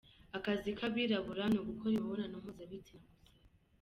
Akazi k’abirabura ni ugukora imibonano mpuzabitsina gusa.